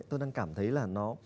tôi đang cảm thấy là nó